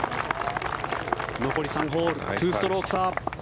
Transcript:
残り３ホール２ストローク差。